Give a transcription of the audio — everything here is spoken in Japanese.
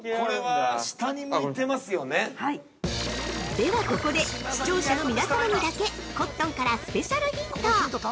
◆ではここで、視聴者の皆さまにだけ、コットンからスペシャルヒント！